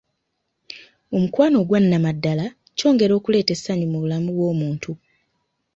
Omukwano ogwa nnamaddala kyongera okuleeta essanyu mu bulamu bw'omuntu.